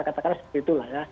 katakanlah seperti itulah ya